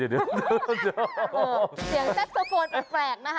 เสียงแซ็กโซโฟนแปลกนะคะ